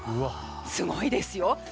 すごいですよ。